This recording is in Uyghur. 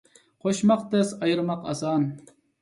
قوشماق تەس، ئايرىماق ئاسان.